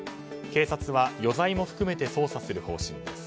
警察は余罪も含めて捜査する方針です。